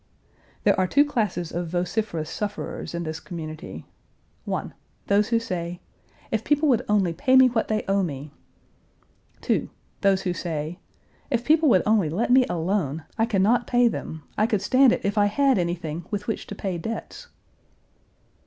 There are two classes of vociferous sufferers in this community: 1. Those who say, "If people would only pay me what they owe me!" 2. Those who say, "If people would only let me alone. I can not pay them. I could stand it if I had anything with which to pay debts."